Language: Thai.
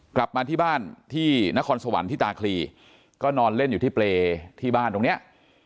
กลับมาที่บ้านที่นครสวรรค์ที่ตาคลีก็นอนเล่นอยู่ที่เปรย์ที่บ้านตรงเนี้ย